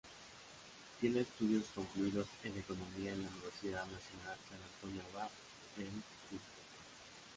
Tiene estudios concluidos en Economía en la Universidad Nacional San Antonio Abad del Cusco.